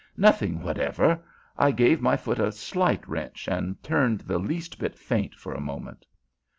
"Nothing whatever. I gave my foot a slight wrench, and turned the least bit faint for a moment."